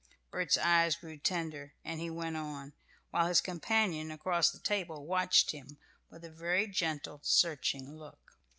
Bert's eyes grew very tender, and he went on, while his companion across the table watched him with a very gentle, searching look.